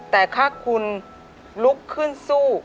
แต่ถ้าคุณลุกขึ้นสู้